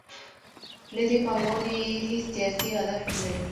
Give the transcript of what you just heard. له دې پانګونې یې هیڅ سیاسي هدف نلري.